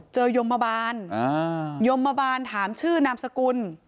ยมมาบานยมมาบานถามชื่อนามสกุล